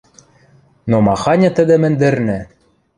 Но маханьы тӹдӹ мӹндӹрнӹ!